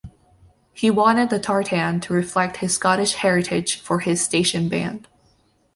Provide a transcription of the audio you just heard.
He wanted the tartan to reflect his Scottish heritage for his station band.